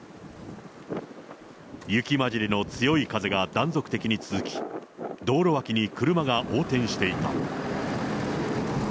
雪交じりの強い風が断続的に続き、道路脇に車が横転していた。